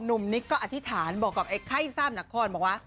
หนุ่มนิกก็อธิษฐานบอกกับไอ้ไข่สามนักขอดบอกว่า